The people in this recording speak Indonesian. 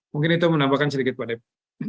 mungkin itu menambahkan sedikit pak depo